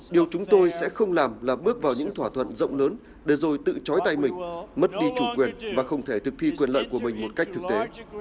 điều chúng tôi sẽ không làm là bước vào những thỏa thuận rộng lớn để rồi tự chói tay mình mất đi chủ quyền và không thể thực thi quyền lợi của mình một cách thực tế